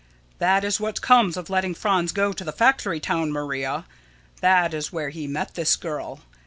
_] That is what comes of letting Franz go to a factory town, Maria. That is where he met this girl.